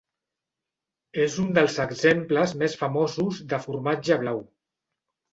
És un dels exemples més famosos de formatge blau.